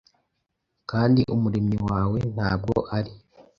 Kandi Umuremyi wawe ntabwo ari